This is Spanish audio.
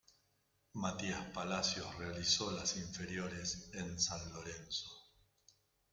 Matías Palacios realizó las inferiores en San Lorenzo.